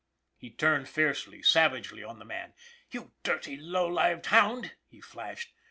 " He turned fiercely, savagely on the man. " You dirty, low lived hound !" he flashed.